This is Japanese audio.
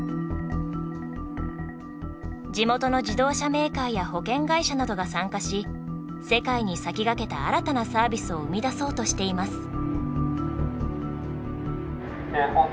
地元の自動車メーカーや保険会社などが参加し世界に先駆けた新たなサービスを生み出そうとしています。